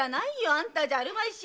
あんたじゃあるまいし！